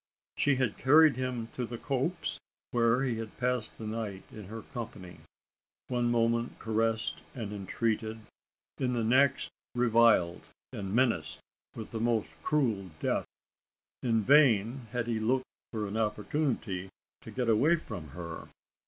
She had carried him to the copse, where he had passed the night in her company one moment caressed and entreated in the next reviled, and menaced with the most cruel death! In vain had he looked for an opportunity to get away from her.